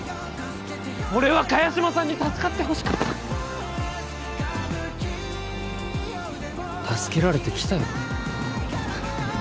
俺は萱島さんに助かってほしかった助けられてきたよ